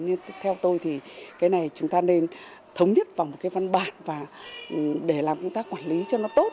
nên theo tôi thì cái này chúng ta nên thống nhất vào một cái văn bản và để làm chúng ta quản lý cho nó tốt